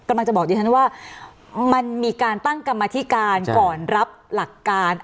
และก็ที่เลยคืออะมันมีการตั้งกรรมาทิการก่อนรับหลักการ